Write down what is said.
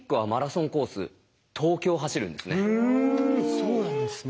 そうなんですね。